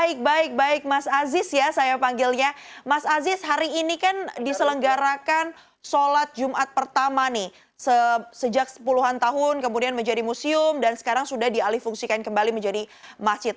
baik baik mas aziz ya saya panggilnya mas aziz hari ini kan diselenggarakan sholat jumat pertama nih sejak sepuluhan tahun kemudian menjadi museum dan sekarang sudah dialih fungsikan kembali menjadi masjid